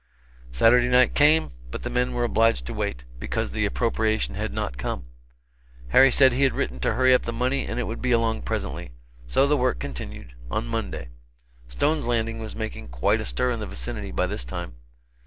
Saturday night came, but the men were obliged to wait, because the appropriation had not come. Harry said he had written to hurry up the money and it would be along presently. So the work continued, on Monday. Stone's Landing was making quite a stir in the vicinity, by this time.